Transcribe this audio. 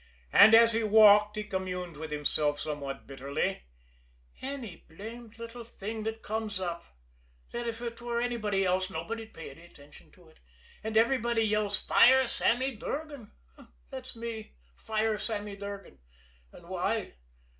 And as he walked he communed with himself somewhat bitterly: "Any blamed little thing that comes up, that, if 'twere anybody else, nobody'd pay any attention to it, and everybody yells 'fire Sammy Durgan.' That's me 'fire Sammy Durgan.' And why?